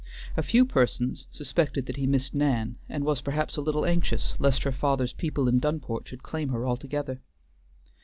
A few persons suspected that he missed Nan, and was, perhaps, a little anxious lest her father's people in Dunport should claim her altogether.